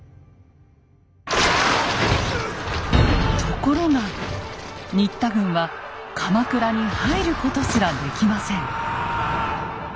ところが新田軍は鎌倉に入ることすらできません。